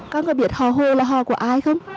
các người biết họ hồ là họ của ai không